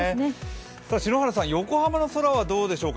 篠原さん、横浜の空はどうでしょうか。